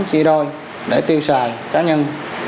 chi đôi để tiêu sài cá nhân